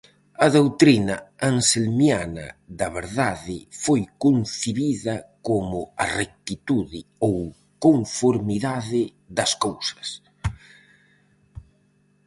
A doutrina anselmiana da verdade foi concibida como a rectitude ou conformidade das cousas.